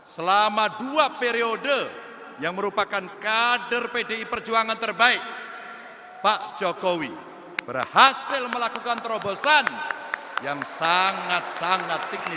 selama dua periode yang merupakan kader pdi perjuangan terbaik pak jokowi berhasil melakukan terobosan yang sangat sangat signifikan